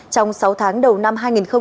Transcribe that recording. trong sáu tháng đầu năm hai nghìn hai mươi